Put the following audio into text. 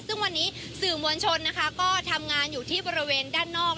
ซึ่งวันนี้สื่อมวลชนนะคะก็ทำงานอยู่ที่บริเวณด้านนอก